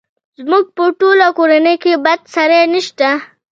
زموږ په ټوله کورنۍ کې بد سړی نه شته!